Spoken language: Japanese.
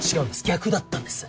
逆だったんです。